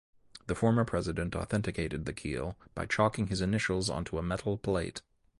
The former President authenticated the keel by chalking his initials onto a metal plate.